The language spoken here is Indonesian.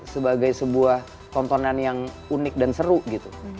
sebagai sebuah tontonan yang unik dan seru gitu